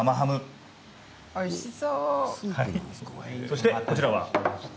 そして、こちらは？